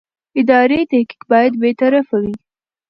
اداري تحقیق باید بېطرفه وي.